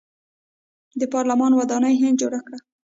د پارلمان ودانۍ هند جوړه کړه.